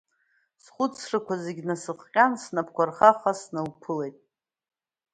Схәыцрақәа зегьы насыхҟьан, снапқәа рхаха сналԥылеит.